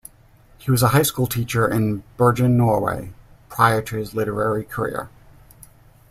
He was a high school teacher in Bergen, Norway, prior to his literary career.